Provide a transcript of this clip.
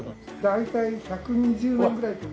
大体１２０年ぐらいと。